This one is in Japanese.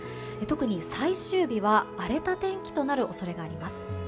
特に最終日は荒れた天気となる恐れがあります。